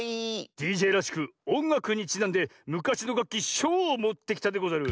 ＤＪらしくおんがくにちなんでむかしのがっきしょうをもってきたでござる。